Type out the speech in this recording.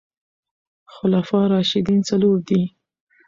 خلفاء راشدين څلور دي